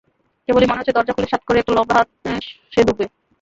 কেবলই মনে হচ্ছে, দরজা খুললে স্যাঁৎ করে লম্বা একটা হাত সেঁধোবে।